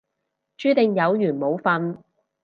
注定有緣冇瞓